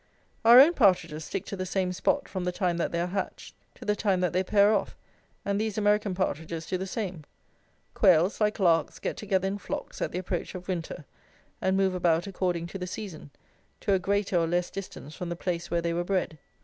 Our own partridges stick to the same spot from the time that they are hatched to the time that they pair off, and these American partridges do the same. Quails, like larks, get together in flocks at the approach of winter, and move about according to the season, to a greater or less distance from the place where they were bred.